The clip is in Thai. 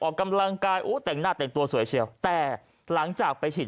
ออกกำลังกายโอ้แต่งหน้าแต่งตัวสวยเชียวแต่หลังจากไปฉีด